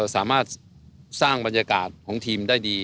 สามารถสร้างบรรยากาศของทีมได้ดี